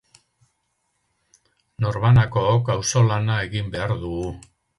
Norbanakook auzolana egin behar dugu.